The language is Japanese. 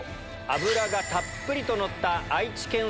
脂がたっぷりとのった。